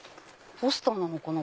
ポスターなのかな？